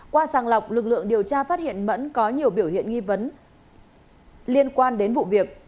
qua sàng lọc lực lượng điều tra phát hiện mẫn có nhiều biểu hiện nghi vấn liên quan đến vụ việc